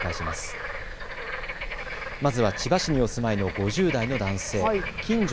まずは千葉市にお住まいの５０代の男性。